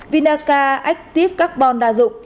vinaca active carbon đa dụng